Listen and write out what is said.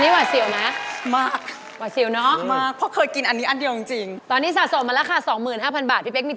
และราคาแคร็กเกอร์ศอดไซน์ครีมอยู่ที่